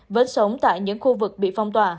vẫn sống tại những khu vực bị phong tỏa